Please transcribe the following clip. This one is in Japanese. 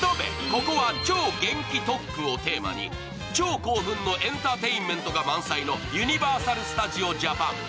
ここは超元気特区」をテーマに超興奮のエンターテインメントが満載のユニバーサル・スタジオ・ジャパン。